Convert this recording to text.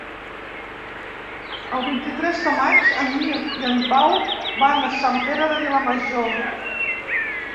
El vint-i-tres de maig en Mirt i en Pau van a Sant Pere de Vilamajor.